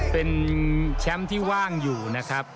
เป็นแชมป์ที่ว่างอยู่นะครับ